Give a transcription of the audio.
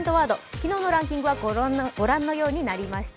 昨日のランキングはご覧のようになりました。